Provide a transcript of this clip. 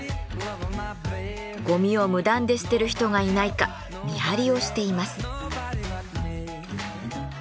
ゴミを無断で捨てる人がいないか見張りをしています。